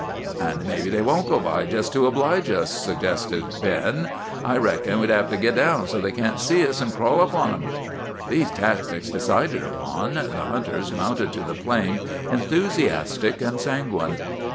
"'An' maybe they won't go by just to oblige us,' suggested Ben. 'I reckon we'll hev to git down, so's they can't see us, an' crawl up on 'em!" "These tactics decided upon, the hunters mounted to the plain, enthusiastic and sanguine.